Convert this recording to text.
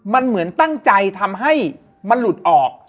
มันเหมือนตั้งใจทำให้มันหลุดออก